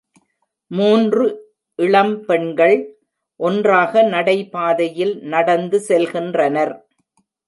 மூன்று இளம் பெண்கள் ஒன்றாக நடைபாதையில் நடந்து செல்கின்றனர்.